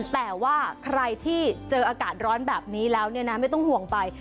แต่ว่าใครที่เจออากาศร้อนแบบนี้แล้วเนี่ยนะไม่ต้องห่วงไป